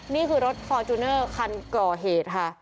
นี่คือรถฟอร์จูเนอร์คันก่อเหตุค่ะ